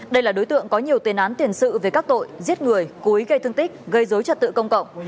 đây là đối tượng có nhiều tên án tiền sự về các tội giết người cúi gây thương tích gây dối trật tự công cộng